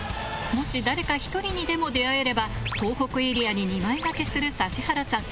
もし誰か一人にでも出会えれば東北エリアに２枚賭けする指原さん